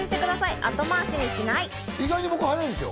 意外に僕、早いですよ。